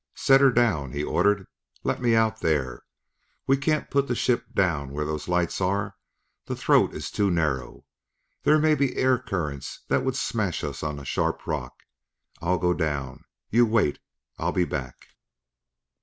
"Set her down!" he ordered "Let me out there! We can't put the ship down where those lights are; the throat is too narrow; there may be air currents that would smash us on a sharp rock. I'll go down! You wait! I'll be back."